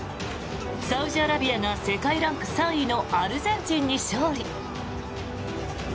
サウジアラビアが世界ランク３位のアルゼンチンに勝利。